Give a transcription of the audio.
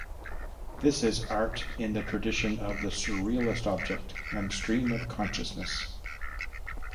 This is art in the tradition of the Surrealist object and stream of consciousness.